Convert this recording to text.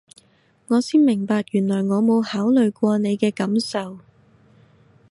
我先明白原來我冇考慮過你嘅感受